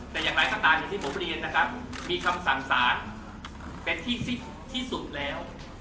แต่อย่างหลายข้างตามอย่างที่ผมเรียนมีคำสั่งสารเป็นที่สุดแล้ว